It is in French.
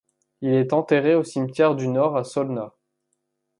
Il est enterré au cimetière du Nord à Solna.